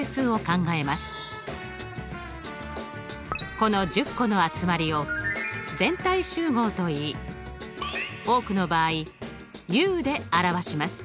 この１０個の集まりを全体集合といい多くの場合Ｕで表します。